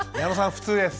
普通です。